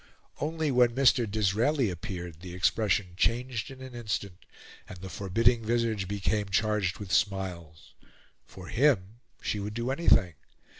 Only, when Mr. Disraeli appeared, the expression changed in an instant, and the forbidding visage became charged with smiles. For him she would do anything.